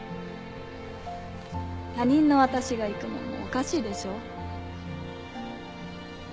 他人の私が行くのもおかしいでしょ。